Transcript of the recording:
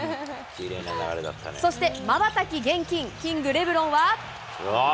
そして、まばたき厳禁、キング・レブロンは。